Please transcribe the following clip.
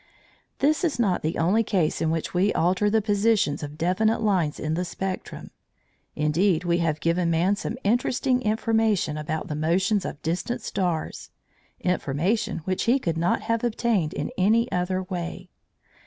This is not the only case in which we alter the positions of definite lines in the spectrum. Indeed, we have given man some interesting information about the motions of distant stars information which he could not have obtained in any other way.